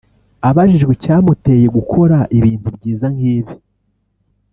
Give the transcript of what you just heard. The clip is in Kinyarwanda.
Abajijwe icyamuteye gukora ibintu byiza nk’ibi